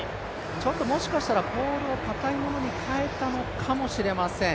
ちょっともしかしたらポールをかたいものに変えたのかもしれません。